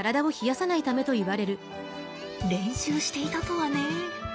練習していたとはね。